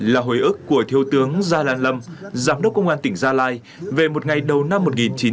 là hồi ức của thiếu tướng gia lan lâm giám đốc công an tỉnh gia lai về một ngày đầu năm một nghìn chín trăm bảy mươi